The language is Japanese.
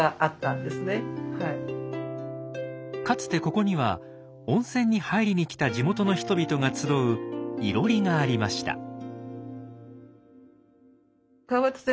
かつてここには温泉に入りに来た地元の人々が集ういろりがありました。